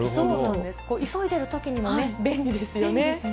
急いでいるときにもね、便利ですよね。